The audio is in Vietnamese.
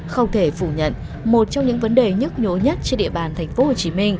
không thể phủ nhận một trong những vấn đề nhất nhố nhất trên địa bàn tp hcm